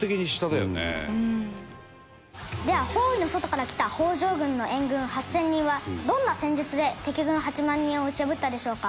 では包囲の外から来た北条軍の援軍８０００人はどんな戦術で敵軍８万人を打ち破ったでしょうか？